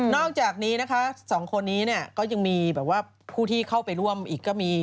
อกจากนี้นะคะสองคนนี้ก็ยังมีแบบว่าผู้ที่เข้าไปร่วมอีกก็มี